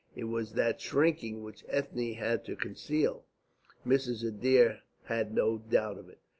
It was that shrinking which Ethne had to conceal Mrs. Adair had no doubt of it.